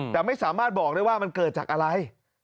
แต่ไม่สามารถบอกได้ว่ามันเกิดจากอะไร